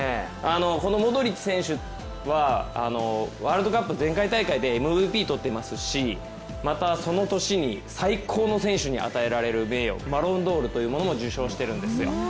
このモドリッチ選手はワールドカップ前回大会でＭＶＰとっていますしまたその年に、最高の選手に与えられる名誉バロンドールというものも受賞しているんですよ。